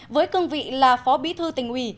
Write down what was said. với cương vị là phó bí thư tỉnh ủy